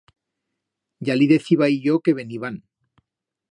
Ya li decíbai yo que veniban.